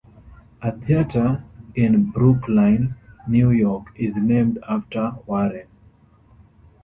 A theatre in Brooklyn, New York is named after Warren.